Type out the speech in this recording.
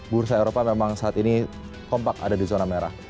bursa eropa memang saat ini kompak ada di zona merah